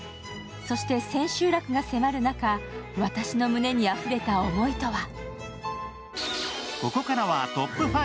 そして千秋楽が迫る中、私の胸にあふれた思いとは？